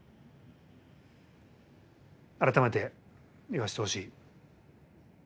改めて言わせてほしい。